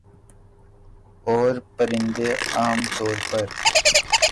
اورپرندے عام طور پر